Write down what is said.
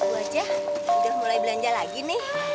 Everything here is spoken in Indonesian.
bu haji udah mulai belanja lagi nih